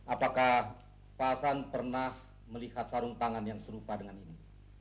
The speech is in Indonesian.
apakah pak hasan pernah melihat sarung tangan yang serupa dengan ini